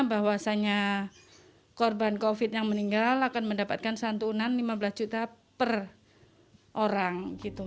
bahwasannya korban covid yang meninggal akan mendapatkan santunan lima belas juta per orang